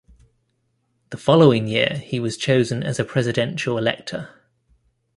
The following year he was chosen as a Presidential elector.